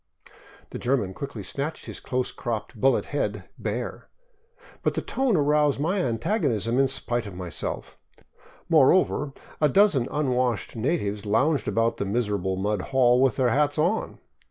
" The German quickly snatched his close cropped bullet head bare, but the tone aroused my antagonism in spite of myself ; more over, a dozen unwashed natives lounged about the miserable mud hall with their hats on.